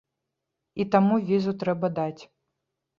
І таму візу трэба даць.